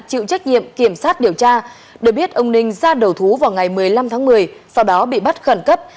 chịu trách nhiệm kiểm sát điều tra được biết ông ninh ra đầu thú vào ngày một mươi năm tháng một mươi sau đó bị bắt khẩn cấp